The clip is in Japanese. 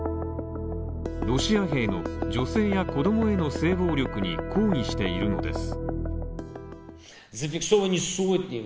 ロシア兵の、女性や子供への性暴力に抗議しているのです。